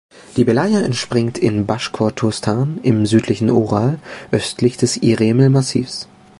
Die Belaja entspringt in Baschkortostan im südlichen Ural, östlich des Iremel-Massivs.